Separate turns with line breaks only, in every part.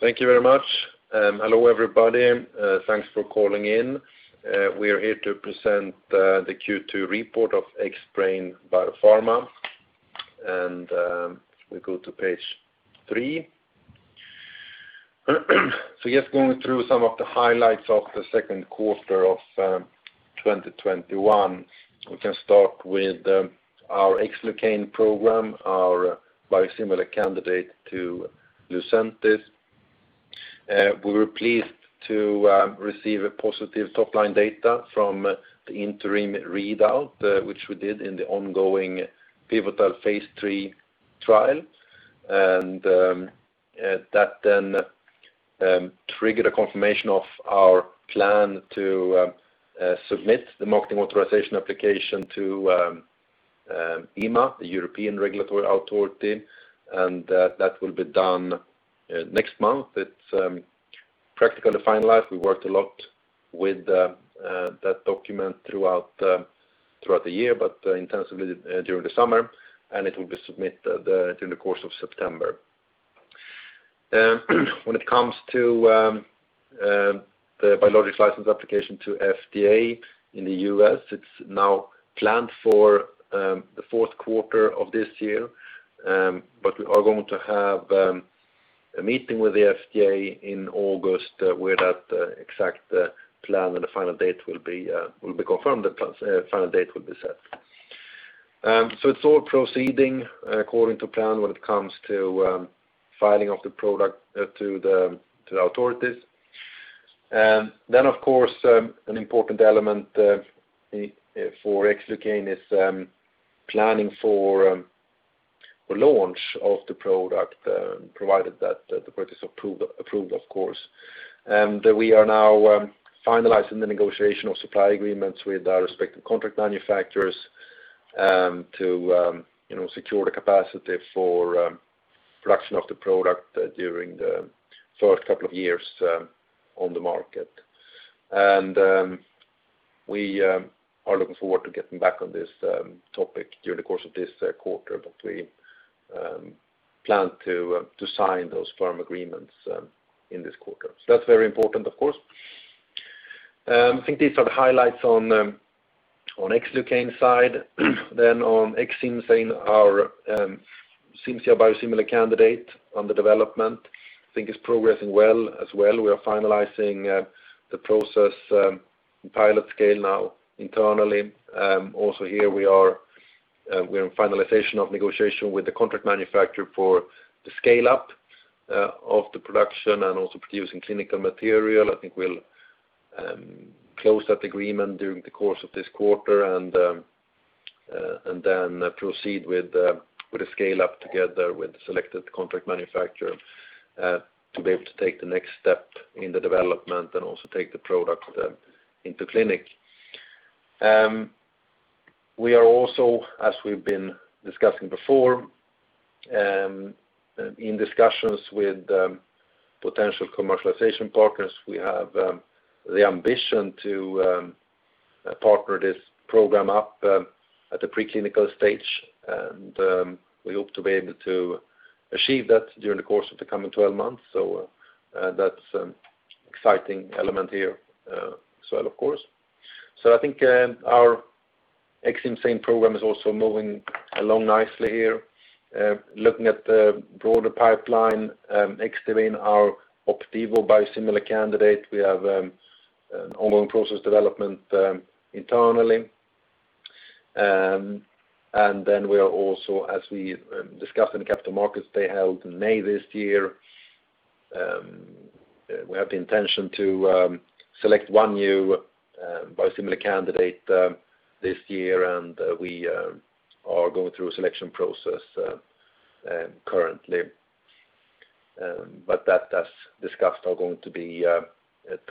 Thank you very much. Hello, everybody. Thanks for calling in. We are here to present the Q2 report of Xbrane Biopharma. We go to page three. Just going through some of the highlights of the second quarter of 2021. We can start with our Xlucane program, our biosimilar candidate to Lucentis. We were pleased to receive positive top-line data from the interim readout, which we did in the ongoing pivotal phase III trial. That then triggered a confirmation of our plan to submit the Marketing Authorization Application to EMA, the European regulatory authority, and that will be done next month. It is practically finalized. We worked a lot with that document throughout the year, but intensively during the summer, and it will be submitted during the course of September. When it comes to the Biologics License Application to FDA in the U.S., it's now planned for the fourth quarter of this year. We are going to have a meeting with the FDA in August where that exact plan and the final date will be confirmed, the final date will be set. It's all proceeding according to plan when it comes to filing of the product to the authorities. Of course, an important element for Xlucane is planning for the launch of the product, provided that the product is approved, of course. We are now finalizing the negotiation of supply agreements with our respective contract manufacturers to secure the capacity for production of the product during the first couple of years on the market. We are looking forward to getting back on this topic during the course of this quarter. We plan to sign those firm agreements in this quarter. That's very important, of course. I think these are the highlights on Xlucane side. On Xcimzane, our Cimzia biosimilar candidate under development, I think it's progressing well as well. We are finalizing the process pilot scale now internally. Also here we are in finalization of negotiation with the contract manufacturer for the scale-up of the production and also producing clinical material. I think we'll close that agreement during the course of this quarter and then proceed with the scale-up together with the selected contract manufacturer to be able to take the next step in the development and also take the product into clinic. We are also, as we've been discussing before, in discussions with potential commercialization partners. We have the ambition to partner this program up at the preclinical stage, and we hope to be able to achieve that during the course of the coming 12 months. That's an exciting element here as well, of course. I think our Xcimzane program is also moving along nicely here. Looking at the broader pipeline, Xdivane, our Opdivo biosimilar candidate, we have an ongoing process development internally. We are also, as we discussed in the Capital Markets Day held in May this year, we have the intention to select one new biosimilar candidate this year, and we are going through a selection process currently. That, as discussed, are going to be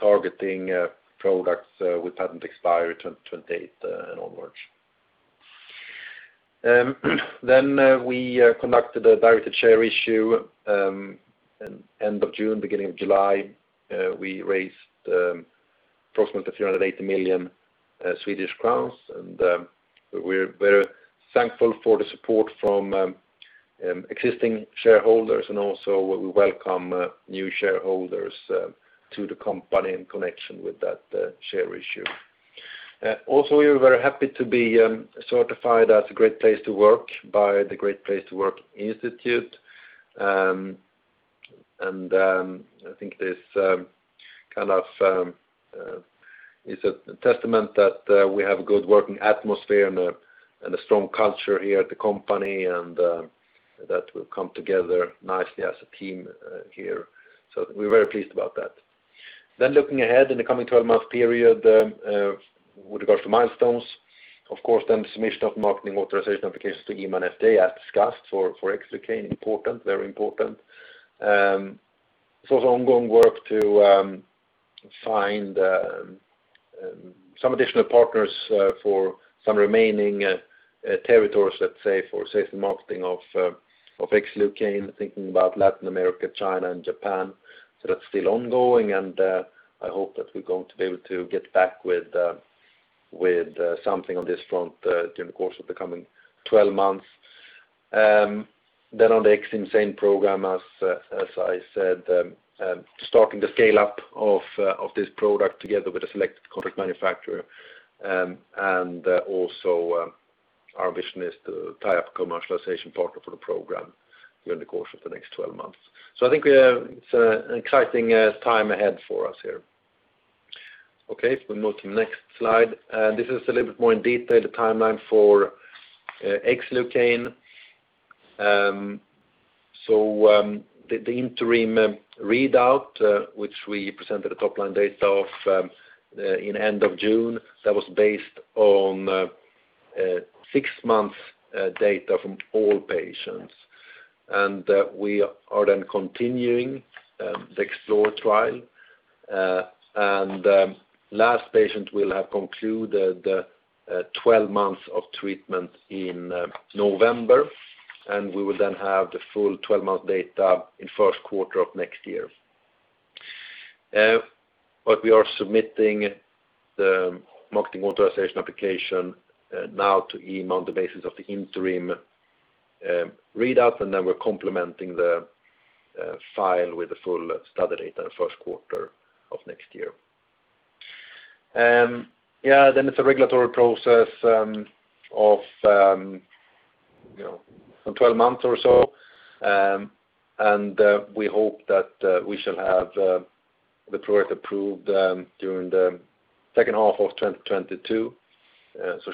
targeting products with patent expiry 2028 and onwards. We conducted a directed share issue end of June, beginning of July. We raised approximately 380 million Swedish crowns, we're very thankful for the support from existing shareholders, and also we welcome new shareholders to the company in connection with that share issue. We are very happy to be certified as a Great Place to Work by the Great Place to Work Institute. I think this is a testament that we have a good working atmosphere and a strong culture here at the company, and that we've come together nicely as a team here. We're very pleased about that. Looking ahead in the coming 12-month period with regards to milestones, of course, then submission of Marketing Authorization Applications to EMA and FDA as discussed for Xlucane. Very important. There's also ongoing work to find some additional partners for some remaining territories, let's say, for sales and marketing of Xlucane, thinking about Latin America, China, and Japan. That's still ongoing, and I hope that we're going to be able to get back with something on this front during the course of the coming 12 months. On the Xcimzane program, as I said, starting the scale-up of this product together with a select contract manufacturer. Also our mission is to tie up a commercialization partner for the program during the course of the next 12 months. I think it's an exciting time ahead for us here. Okay, if we move to next slide. This is a little bit more in detail the timeline for Xlucane. The interim readout, which we presented the top line data of in end of June, that was based on six months data from all patients. We are then continuing the Xplore trial. Last patient will have concluded 12 months of treatment in November, and we will then have the full 12-month data in first quarter of next year. We are submitting the Marketing Authorization Application now to EMA on the basis of the interim readout, and then we're complementing the file with the full study data in first quarter of next year. It's a regulatory process of some 12 months or so. We hope that we shall have the product approved during the second half of 2022.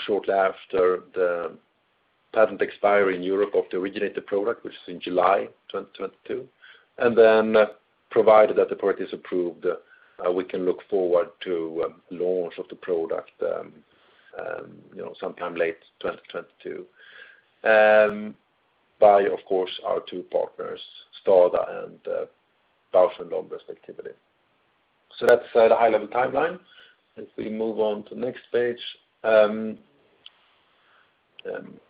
Shortly after the patent expiry in Europe of the originator product, which is in July 2022. Provided that the product is approved, we can look forward to launch of the product sometime late 2022. By, of course, our two partners, STADA and Bausch + Lomb, respectively. That's the high-level timeline. If we move on to next page. I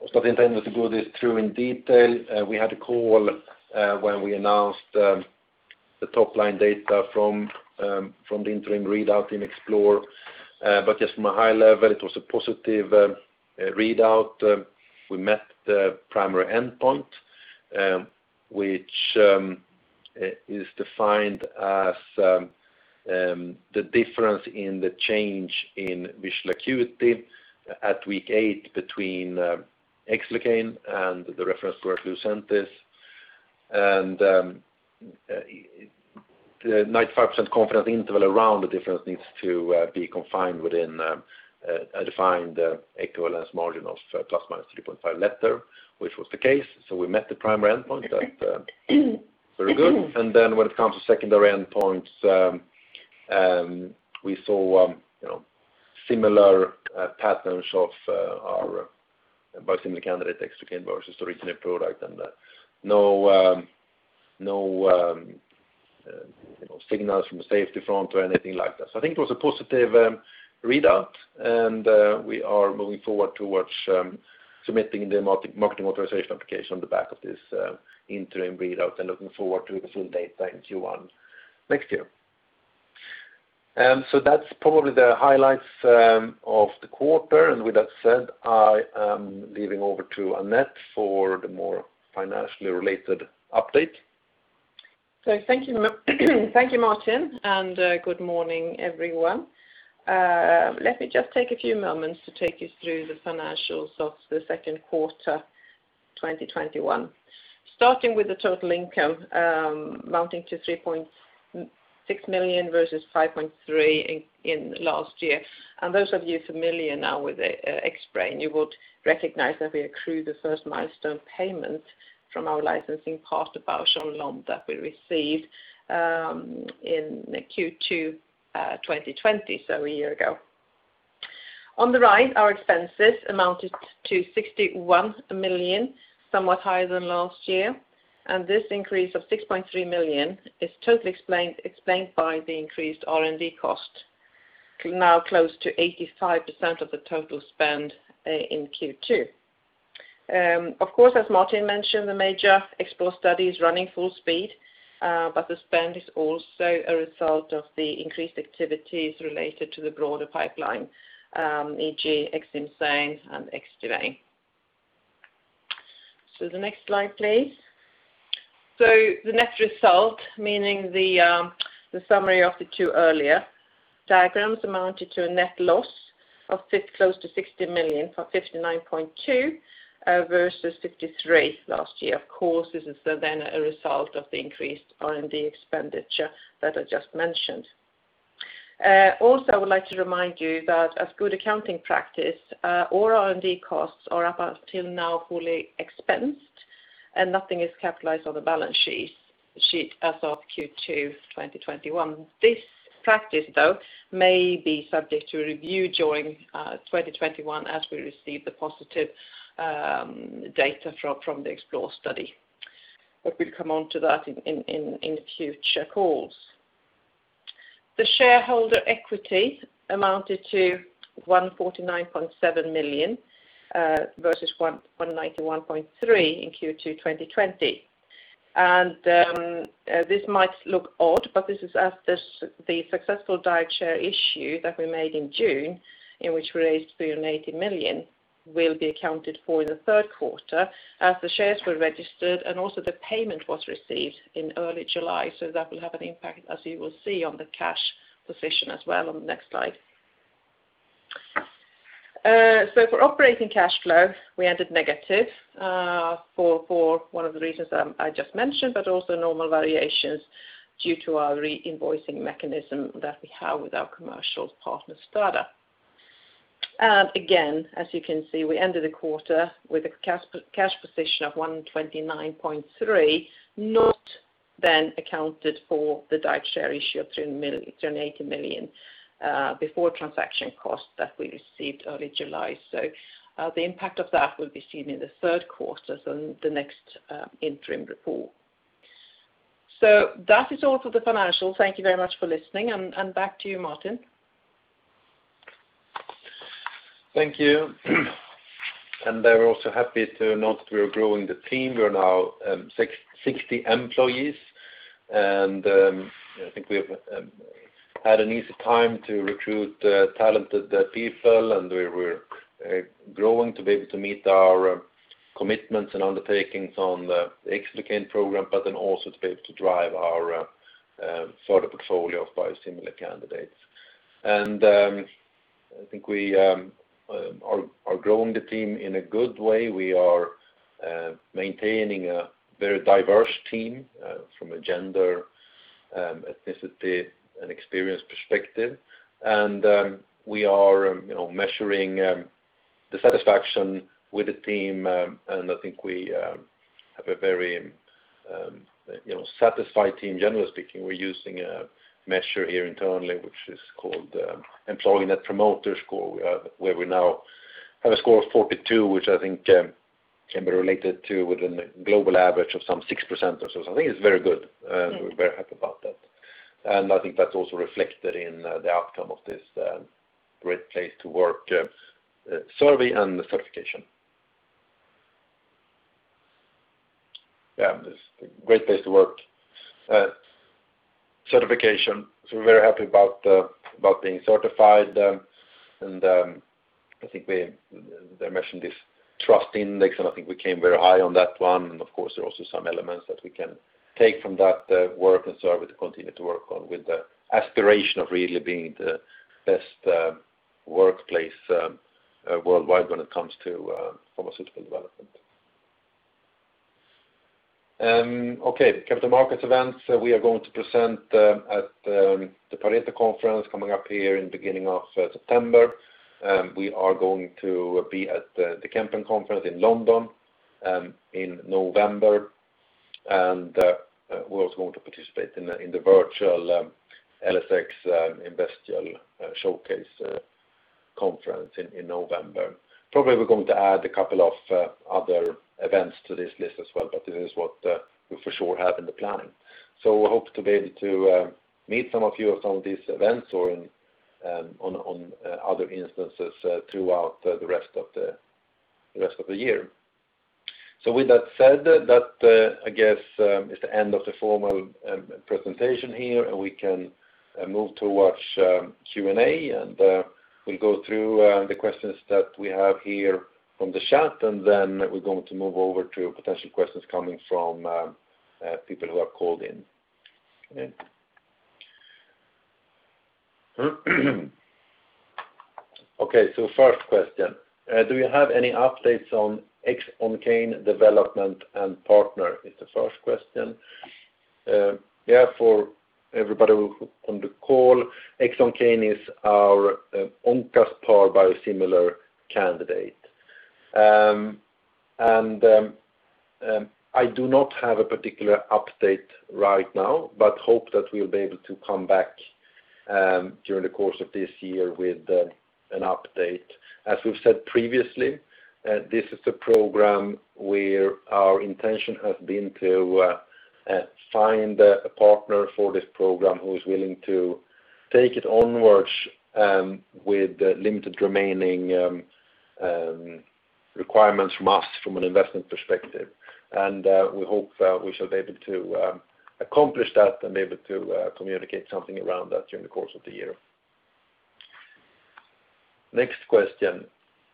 was not intending to go this through in detail. We had a call when we announced the top-line data from the interim readout in Xplore. Just from a high level, it was a positive readout. We met the primary endpoint, which is defined as the difference in the change in visual acuity at week eight between Xlucane and the reference product, Lucentis. The 95% confidence interval around the difference needs to be confined within a defined equivalence margin of ±3.5 letter, which was the case. We met the primary endpoint. That's very good. When it comes to secondary endpoints, we saw similar patterns of our biosimilar candidate, Xlucane, versus the originator product, and no signals from a safety front or anything like that. I think it was a positive readout, and we are moving forward towards submitting the Marketing Authorization Application on the back of this interim readout and looking forward to the full data in Q1 next year. That's probably the highlights of the quarter. With that said, I am leaving over to Anette for the more financially related update.
Thank you, Martin, and good morning, everyone. Let me just take a few moments to take you through the financials of the second quarter 2021. Starting with the total income amounting to 3.6 million versus 5.3 million in last year. And those of you familiar now with Xbrane, you would recognize that we accrue the first milestone payment from our licensing partner, Bausch + Lomb, that we received in Q2 2020, so a year ago. On the rise, our expenses amounted to 61 million, somewhat higher than last year. And this increase of 6.3 million is totally explained by the increased R&D cost, now close to 85% of the total spend in Q2. Of course, as Martin mentioned, the major Xplore study is running full speed, but the spend is also a result of the increased activities related to the broader pipeline, e.g., Ximluci and Xdivane. The next slide, please. The net result, meaning the summary of the two earlier diagrams, amounted to a net loss of close to 60 million from 59.2 million versus 53 million last year. Of course, this is then a result of the increased R&D expenditure that I just mentioned. Also, I would like to remind you that as good accounting practice, our R&D costs are up until now fully expensed, and nothing is capitalized on the balance sheet as of Q2 2021. This practice, though, may be subject to review during 2021 as we receive the positive data from the Xplore study. We'll come on to that in future calls. The shareholder equity amounted to 149.7 million, versus 191.3 in Q2 2020. This might look odd, but this is after the successful direct share issue that we made in June, in which we raised 380 million, will be accounted for in the third quarter as the shares were registered and also the payment was received in early July. That will have an impact, as you will see, on the cash position as well on the next slide. For operating cash flow, we ended negative for one of the reasons I just mentioned, but also normal variations due to our reinvoicing mechanism that we have with our commercial partner, STADA. As you can see, we ended the quarter with a cash position of 129.3 million, not then accounted for the direct share issue of 380 million before transaction costs that we received early July. The impact of that will be seen in the third quarter and the next interim report. That is all for the financials. Thank you very much for listening. Back to you, Martin.
Thank you. We're also happy to note we are growing the team. We are now 60 employees, and I think we have had an easy time to recruit talented people, and we're growing to be able to meet our commitments and undertakings on the Xlucane program, but then also to be able to drive our further portfolio of biosimilar candidates. I think we are growing the team in a good way. We are maintaining a very diverse team from a gender, ethnicity, and experience perspective. We are measuring the satisfaction with the team. I think we have a very satisfied team, generally speaking. We're using a measure here internally, which is called Employee Net Promoter Score, where we now have a score of 42, which I think can be related to within the global average of some 6% or so. I think it's very good. We're very happy about that. I think that's also reflected in the outcome of this Great Place to Work survey and the certification. This Great Place to Work certification. We're very happy about being certified. I think they mentioned this Trust Index, and I think we came very high on that one. Of course, there are also some elements that we can take from that work and survey to continue to work on with the aspiration of really being the best workplace worldwide when it comes to pharmaceutical development. Capital markets events. We are going to present at the Pareto Conference coming up here in the beginning of September. We are going to be at the Kempen Conference in London in November. We're also going to participate in the virtual LSX Investival Showcase Conference in November. Probably we're going to add a couple of other events to this list as well, but this is what we for sure have in the planning. We hope to be able to meet some of you at some of these events or on other instances throughout the rest of the year. With that said, that I guess is the end of the formal presentation here, and we can move towards Q&A, and we'll go through the questions that we have here from the chat, and then we're going to move over to potential questions coming from people who have called in. Okay. Okay, first question, "Do you have any updates on Xoncane development and partner?" is the first question. Yeah, for everybody who on the call, Xoncane is our Oncaspar biosimilar candidate. I do not have a particular update right now, but hope that we'll be able to come back during the course of this year with an update. As we've said previously, this is a program where our intention has been to find a partner for this program who is willing to take it onwards with limited remaining requirements from us from an investment perspective. We hope we shall be able to accomplish that and be able to communicate something around that during the course of the year. Next question: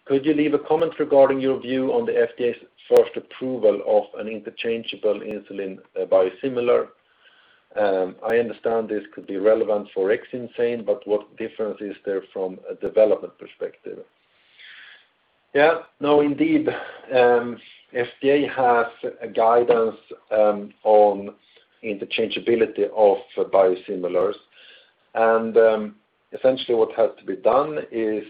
"Could you leave a comment regarding your view on the FDA's first approval of an interchangeable insulin biosimilar? I understand this could be relevant for Xcimzane, but what difference is there from a development perspective?" Yeah. Indeed, FDA has a guidance on interchangeability of biosimilars. Essentially what has to be done is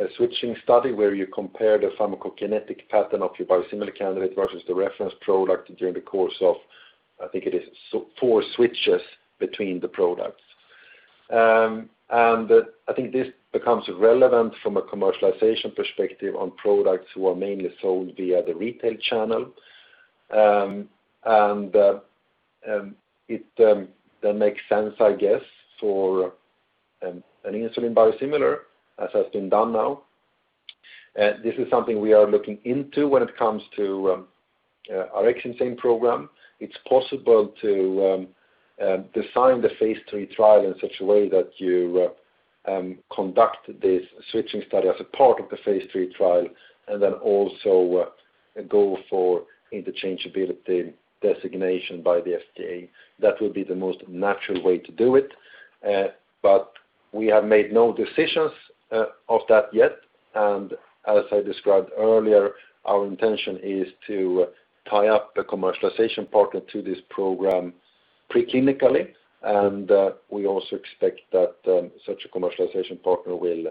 a switching study where you compare the pharmacokinetic pattern of your biosimilar candidate versus the reference product during the course of, I think it is four switches between the products. I think this becomes relevant from a commercialization perspective on products who are mainly sold via the retail channel. That makes sense, I guess, for an insulin biosimilar, as has been done now. This is something we are looking into when it comes to our Xcimzane program. It's possible to design the phase III trial in such a way that you conduct this switching study as a part of the phase III trial, then also go for interchangeability designation by the FDA. That will be the most natural way to do it. We have made no decisions of that yet, and as I described earlier, our intention is to tie up a commercialization partner to this program pre-clinically. We also expect that such a commercialization partner will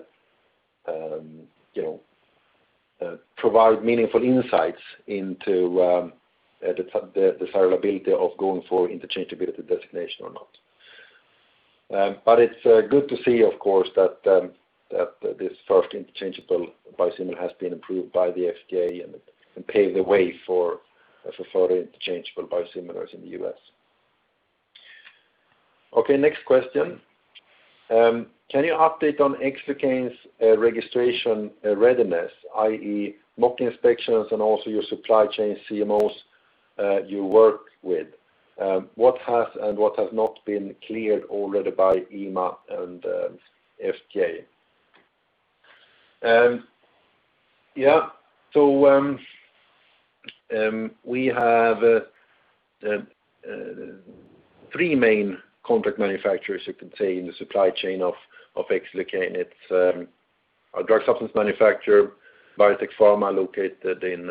provide meaningful insights into the desirability of going for interchangeability designation or not. It's good to see, of course, that this first interchangeable biosimilar has been approved by the FDA and pave the way for further interchangeable biosimilars in the U.S. Okay, next question. Can you update on Xlucane's registration readiness, i.e., mock inspections and also your supply chain CMOs you work with? What has and what has not been cleared already by EMA and FDA? Yeah. We have three main contract manufacturers, you can say, in the supply chain of Xlucane. It's our drug substance manufacturer, Biotechpharma, located in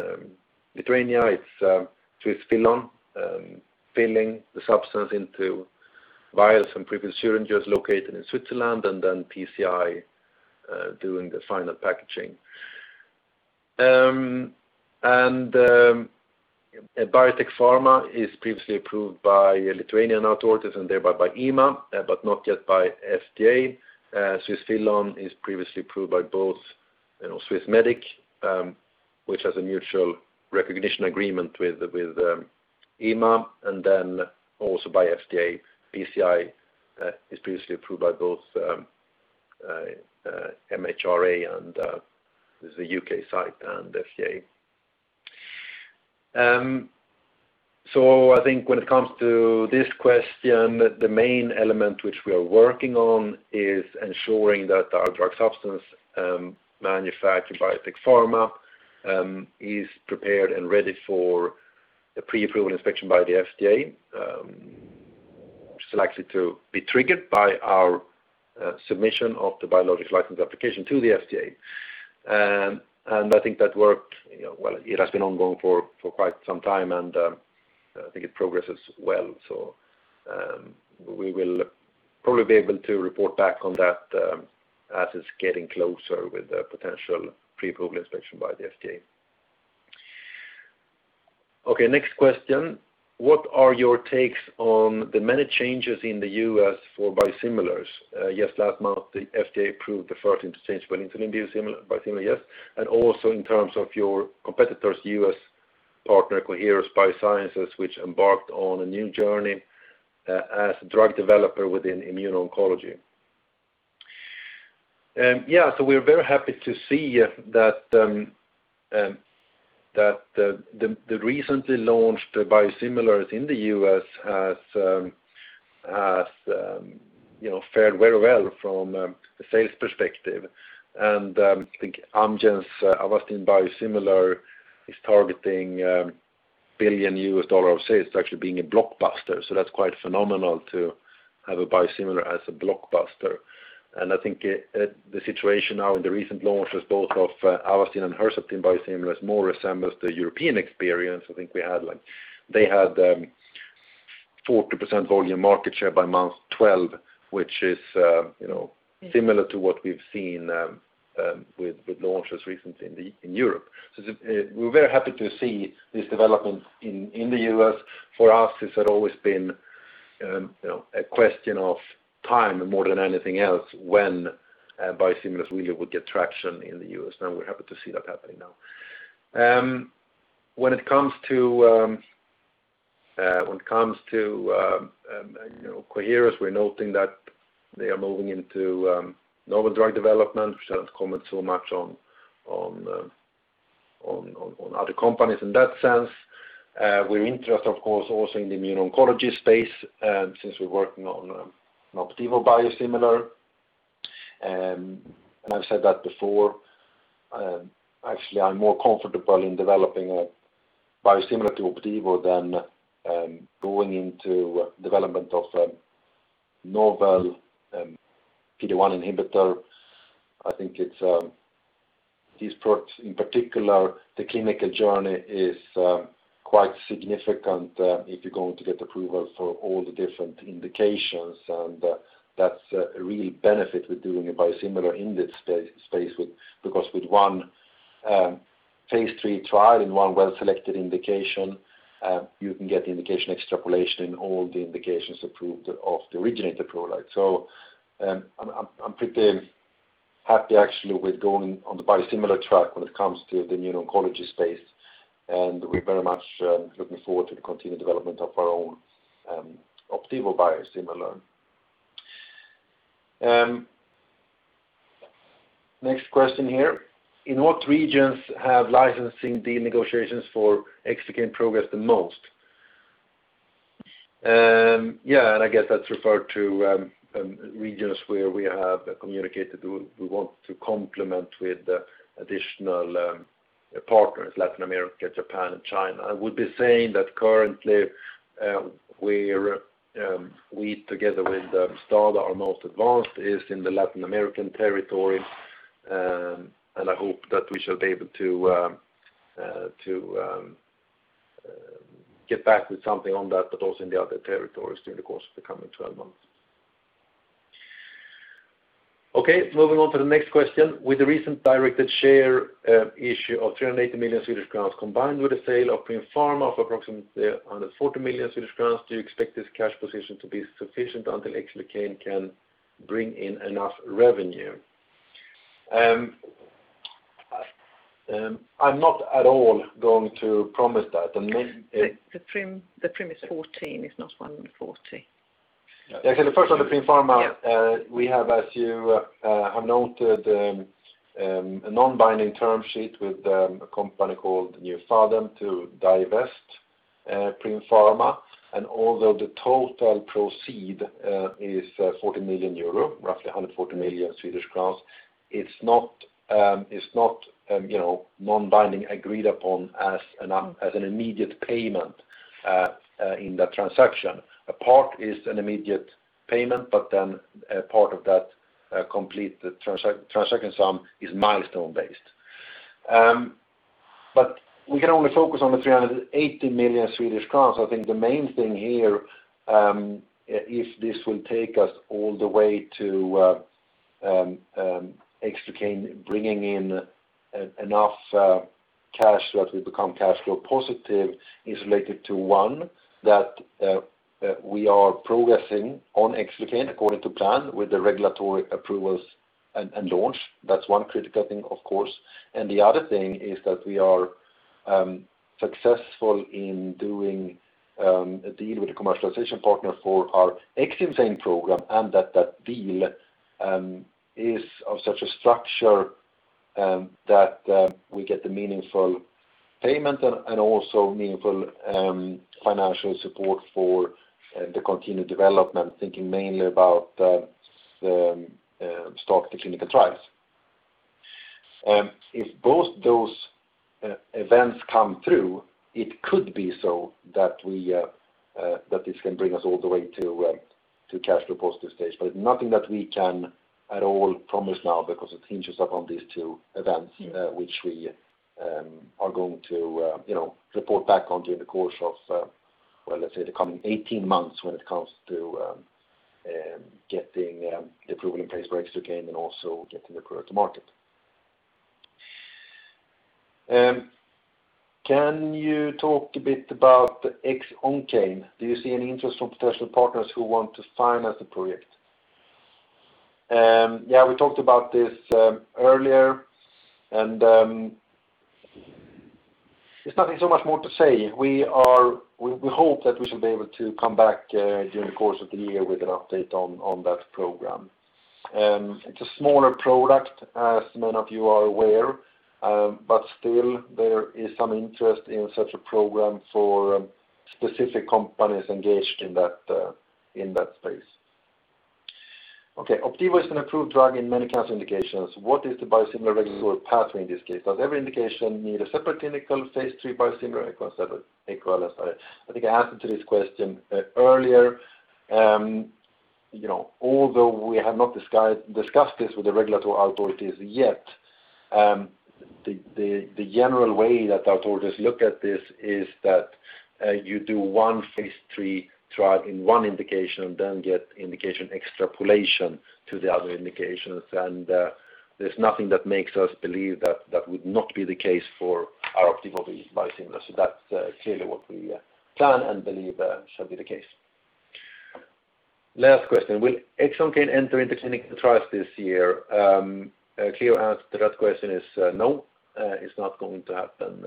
Lithuania. It's Swissfillon, filling the substance into vials and pre-filled syringes, located in Switzerland, and then PCI doing the final packaging. Biotechpharma is previously approved by Lithuanian authorities and thereby by EMA but not yet by FDA. Swissfillon is previously approved by both Swissmedic which has a mutual recognition agreement with EMA and then also by FDA. PCI is previously approved by both MHRA, and this is a U.K. site, and FDA. I think when it comes to this question, the main element which we are working on is ensuring that our drug substance manufactured by Biotechpharma is prepared and ready for the pre-approval inspection by the FDA, which is likely to be triggered by our submission of the Biologics License Application to the FDA. I think that work, well, it has been ongoing for quite some time, and I think it progresses well. We will probably be able to report back on that as it's getting closer with the potential pre-approval inspection by the FDA. Okay. Next question. What are your takes on the many changes in the U.S. for biosimilars? Last month, the FDA approved the first interchangeable insulin biosimilar. Also in terms of your competitor's U.S. partner, Coherus BioSciences, which embarked on a new journey as a drug developer within immuno-oncology. We are very happy to see that the recently launched biosimilars in the U.S. has fared very well from a sales perspective. I think Amgen's Avastin biosimilar is targeting $1 billion of sales to actually being a blockbuster. That's quite phenomenal to have a biosimilar as a blockbuster. I think the situation now in the recent launches, both of Avastin and Herceptin biosimilars, more resembles the European experience. I think they had 40% volume market share by month 12, which is similar to what we've seen with launches recently in Europe. We're very happy to see this development in the U.S. For us, this had always been a question of time more than anything else, when biosimilars really would get traction in the U.S., and we're happy to see that happening now. When it comes to Coherus, we're noting that they are moving into novel drug development. We shouldn't comment so much on other companies in that sense. We're interested, of course, also in the immuno-oncology space since we're working on an Opdivo biosimilar. I've said that before. Actually, I'm more comfortable in developing a biosimilar to Opdivo than going into development of a novel PD-1 inhibitor. I think these products, in particular, the clinical journey is quite significant if you're going to get approval for all the different indications. That's a real benefit with doing a biosimilar in this space because with one phase III trial in one well-selected indication, you can get indication extrapolation in all the indications approved of the originator product. I'm pretty happy actually with going on the biosimilar track when it comes to the immuno-oncology space. We're very much looking forward to the continued development of our own Opdivo biosimilar. Next question here. In what regions have licensing deal negotiations for Xlucane progressed the most? I guess that refers to regions where we have communicated we want to complement with additional partners, Latin America, Japan, and China. I would be saying that currently where we together with STADA are most advanced is in the Latin American territory. I hope that we shall be able to get back with something on that, but also in the other territories during the course of the coming 12 months. Okay, moving on to the next question. With the recent directed share issue of 380 million Swedish crowns, combined with the sale of Primm Pharma for approximately 140 million Swedish crowns, do you expect this cash position to be sufficient until Xlucane can bring in enough revenue? I am not at all going to promise that.
The Primm is 14 million, it's not 140 million.
Yeah. Okay, the first one, the Primm Pharma. We have, as you have noted, a non-binding term sheet with a company called New.Fa.Dem. to divest Primm Pharma. Although the total proceed is 40 million euro, roughly 140 million Swedish crowns, it is not non-binding agreed upon as an immediate payment in that transaction. A part is an immediate payment, but a part of that complete transaction sum is milestone-based. We can only focus on the 380 million Swedish crowns. I think the main thing here, if this will take us all the way to Xlucane bringing in enough cash that we become cash flow positive is related to, one, that we are progressing on Xlucane according to plan with the regulatory approvals and launch. That is one critical thing, of course. The other thing is that we are successful in doing a deal with the commercialization partner for our Xcimzane program, and that deal is of such a structure that we get the meaningful payment and also meaningful financial support for the continued development, thinking mainly about the start of the clinical trials. If both those events come through, it could be so that this can bring us all the way to cash flow positive stage. Nothing that we can at all promise now, because it hinges upon these two events, which we are going to report back on during the course of, let's say, the coming 18 months when it comes to getting the approval in place for Xlucane and also getting the product to market. Can you talk a bit about the Xoncane? Do you see any interest from potential partners who want to finance the project? Yeah, we talked about this earlier. There's nothing so much more to say. We hope that we shall be able to come back during the course of the year with an update on that program. It's a smaller product, as many of you are aware, but still, there is some interest in such a program for specific companies engaged in that space. Okay. Opdivo is an approved drug in many cancer indications. What is the biosimilar regulatory pathway in this case? Does every indication need a separate clinical phase III biosimilar equivalent? I think I answered this question earlier. Although we have not discussed this with the regulatory authorities yet, the general way that authorities look at this is that you do one phase III trial in one indication, then get indication extrapolation to the other indications. There's nothing that makes us believe that that would not be the case for our Opdivo biosimilar. That's clearly what we plan and believe shall be the case. Last question. Will Xoncane enter into clinical trials this year? A clear answer to that question is no, it's not going to happen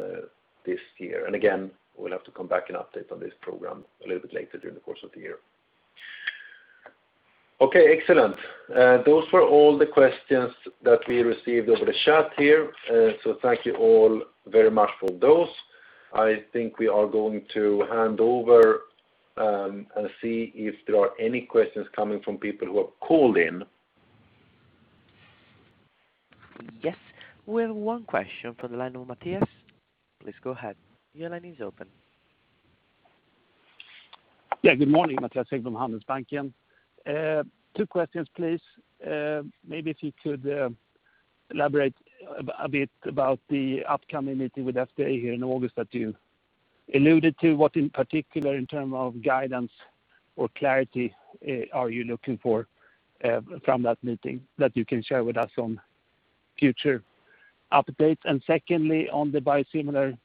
this year. Again, we'll have to come back and update on this program a little bit later during the course of the year. Okay, excellent. Those were all the questions that we received over the chat here. Thank you all very much for those. I think we are going to hand over and see if there are any questions coming from people who have called in.
Yes. We have one question from the line of Mattias. Please go ahead. Your line is open.
Yeah, good morning, Mattias Häggblom, Handelsbanken. Two questions, please. Maybe if you could elaborate a bit about the upcoming meeting with FDA here in August that you alluded to. What in particular in terms of guidance or clarity are you looking for from that meeting that you can share with us on future updates? Secondly, on the biosimilar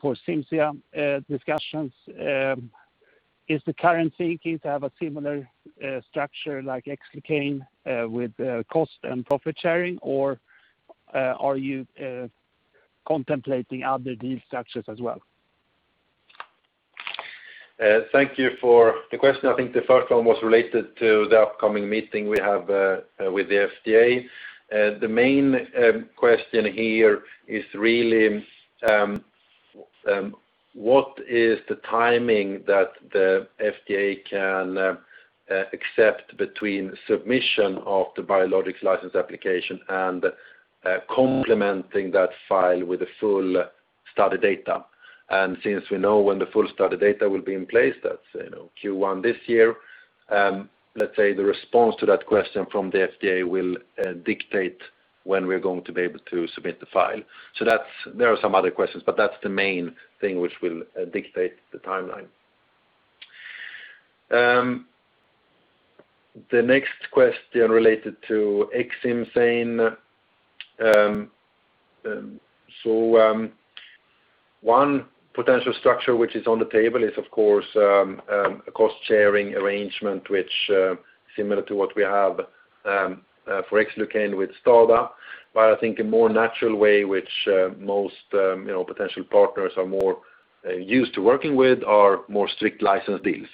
for Cimzia discussions, is the current thinking to have a similar structure like Xlucane with cost and profit sharing, or are you contemplating other deal structures as well?
Thank you for the question. I think the first one was related to the upcoming meeting we have with the FDA. The main question here is really what is the timing that the FDA can accept between submission of the Biologics License Application and complementing that file with the full study data? Since we know when the full study data will be in place, that's Q1 this year, let's say the response to that question from the FDA will dictate when we're going to be able to submit the file. There are some other questions, but that's the main thing which will dictate the timeline. The next question related to Xcimzane. One potential structure which is on the table is of course, a cost-sharing arrangement which similar to what we have for Xlucane with STADA. I think a more natural way, which most potential partners are more used to working with are more strict license deals.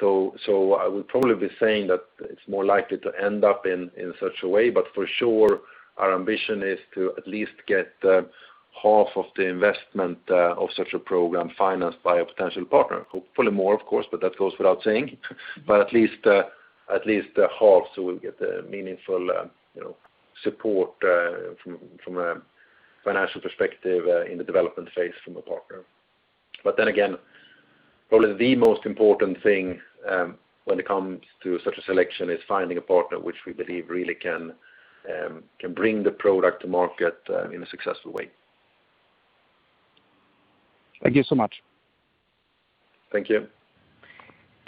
I would probably be saying that it's more likely to end up in such a way, but for sure, our ambition is to at least get half of the investment of such a program financed by a potential partner. Hopefully more, of course, but that goes without saying. At least half, so we'll get a meaningful support from a financial perspective in the development phase from a partner. Then again, probably the most important thing when it comes to such a selection is finding a partner which we believe really can bring the product to market in a successful way.
Thank you so much.
Thank you.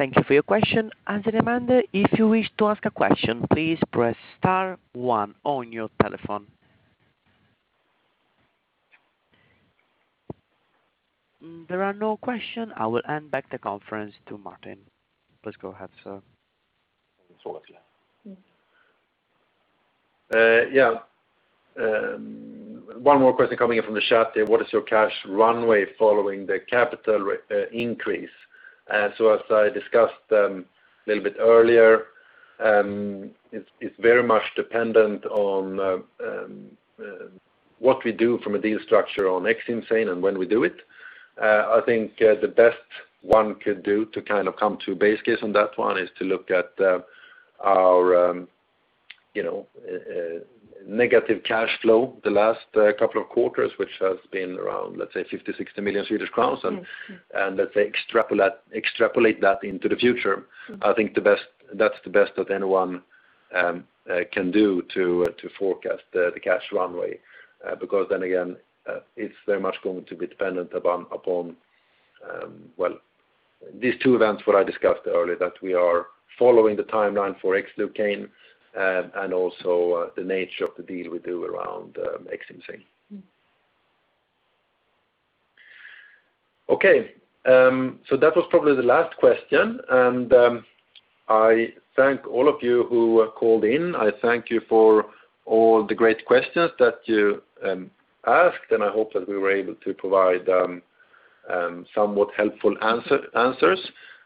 Thank you for your question. As a reminder, if you wish to ask a question, please press star one on your telephone. There are no question. I will hand back the conference to Martin. Please go ahead, sir.
Yeah. One more question coming in from the chat there. What is your cash runway following the capital increase? As I discussed a little bit earlier, it is very much dependent on what we do from a deal structure on Xcimzane and when we do it. I think the best one could do to come to a base case on that one is to look at our negative cash flow the last couple of quarters, which has been around, let's say 50 million-60 million Swedish crowns and let's say extrapolate that into the future. I think that is the best that anyone can do to forecast the cash runway because then again, it is very much going to be dependent upon these two events, what I discussed earlier, that we are following the timeline for Xlucane and also the nature of the deal we do around Xcimzane. Okay. That was probably the last question, and I thank all of you who called in. I thank you for all the great questions that you asked, and I hope that we were able to provide somewhat helpful answers.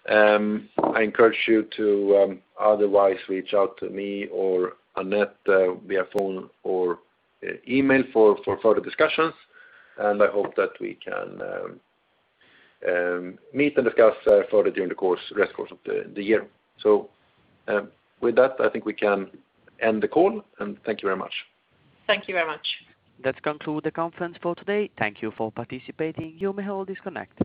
I encourage you to otherwise reach out to me or Anette via phone or email for further discussions, and I hope that we can meet and discuss further during the rest course of the year. With that, I think we can end the call. Thank you very much.
Thank you very much.
That conclude the conference for today. Thank you for participating. You may all disconnect.